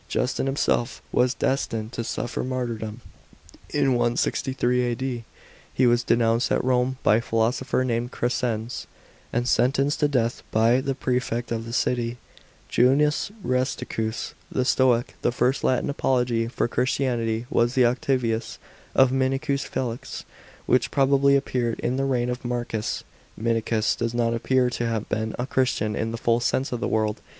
Justin himself was destined to suffer martyrdom. In 163 A.D., he was denounced at Rome by a philosopher named Crescens, and sen tenced to death by the prefect of the city, Q. Junius Rusticus, the Stoic. The first Latin apology for Christianity was the Octavius of Minucius Felix, which probably appeared in the reign of Marcus. Minucius does not appear to have been a Christian in the full sense of the word.